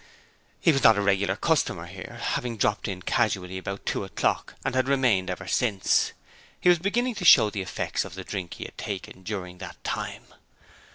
He was not a regular customer here, having dropped in casually about two o'clock and had remained ever since. He was beginning to show the effects of the drink he had taken during that time.